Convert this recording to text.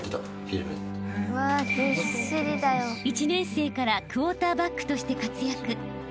［１年生からクォーターバックとして活躍］